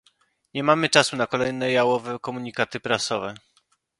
Nie mamy czasu na kolejne jałowe komunikaty prasowe